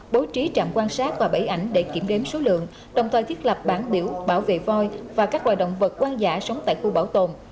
bố trí trạm quan sát và bẫy ảnh để kiểm đếm số lượng đồng thời thiết lập bản biểu bảo vệ voi và các hoài động vật quan giả sống tại khu bảo tồn